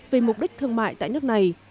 về mục đích thương mại tại nước này